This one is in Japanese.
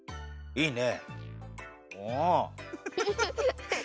いいね！